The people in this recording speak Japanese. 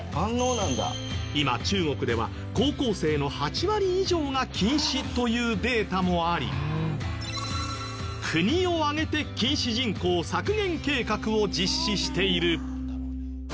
今中国では高校生の８割以上が近視というデータもあり国を挙げて近視人口削減計画を実施している。